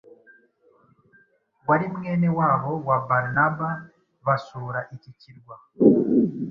wari mwene wabo wa Barnaba basura iki kirwa.